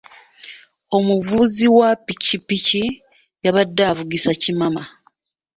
Omuvuzi wa ppikipiki yabadde avugisa kimama.